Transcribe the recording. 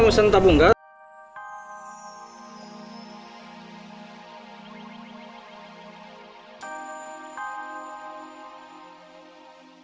saya mau mesen tabung gas